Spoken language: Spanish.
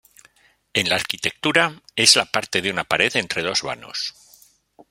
En la arquitectura, es la parte de una pared entre dos vanos.